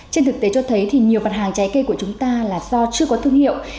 trên thực tế cho thấy thì nhiều mặt hàng trái cây của chúng ta là do chưa có thương hiệu